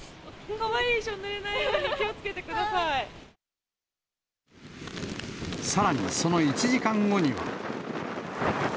かわいい衣装ぬれないようにさらにその１時間後には。